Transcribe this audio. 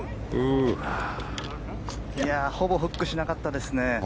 ほぼフックしなかったですね。